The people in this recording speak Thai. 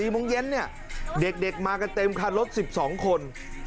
โมงเย็นเนี่ยเด็กมากันเต็มคันรถ๑๒คน